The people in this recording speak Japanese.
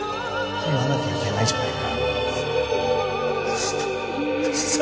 言わなきゃいけないじゃないか